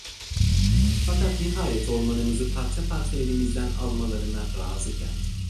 Fakat nihayet ormanımızı parça parça elimizden almalarına razı geldik.